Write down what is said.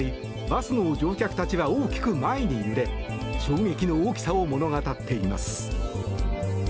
バスの乗客たちは大きく前に揺れ衝撃の大きさを物語っています。